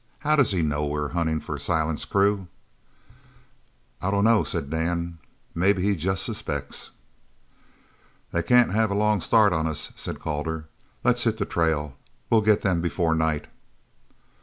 How does he know we are hunting for Silent's crew?" "I dunno," said Dan, "maybe he jest suspects." "They can't have a long start of us," said Calder. "Let's hit the trail. Well get them before night."